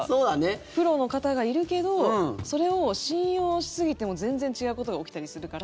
プロの方がいるけどそれを信用しすぎても全然違うことが起きたりするから。